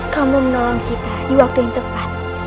kamu menolong kita di waktu yang tepat